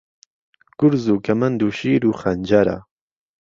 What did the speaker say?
گورز و کهمهند و شیر وخەنجەره